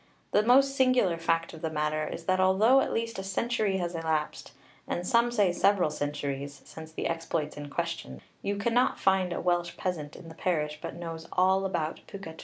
The most singular fact of the matter is that although at least a century has elapsed, and some say several centuries, since the exploits in question, you cannot find a Welsh peasant in the parish but knows all about Pwca'r Trwyn.